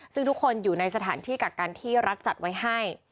ซึ่งทุกคนอยู่ในสถานที่กักกันที่รัฐจัดไว้ให้